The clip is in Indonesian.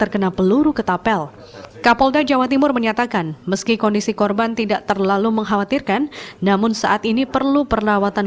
kapolda jawa timur irjen poluki hermawan